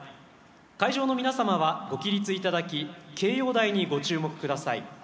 会場の皆様は、ご起立いただき掲揚台にご注目ください。